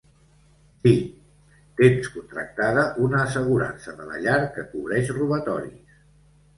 Sí, tens contractada una assegurança de la llar que cobreix robatoris.